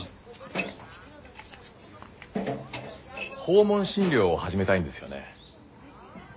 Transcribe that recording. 訪問診療を始めたいんですよね。